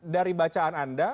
dari bacaan anda